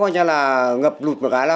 các cháu ngập lụt